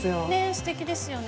すてきですよね。